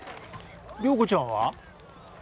良子ちゃんは？